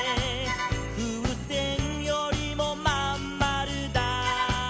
「ふうせんよりもまんまるだ」